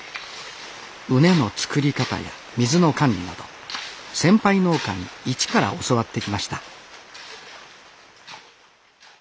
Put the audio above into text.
畝の作り方や水の管理など先輩農家に一から教わってきました